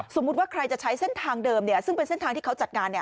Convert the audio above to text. สมมุติว่าใครจะใช้เส้นทางเดิมซึ่งเป็นเส้นทางที่เขาจัดงาน